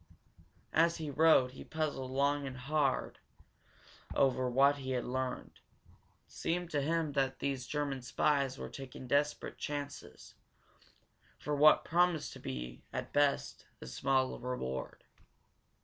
As he rode he puzzled long and hard over what he had learned. It seemed to him that these German spies were taking desperate chances for what promised to be, at best, a small reward.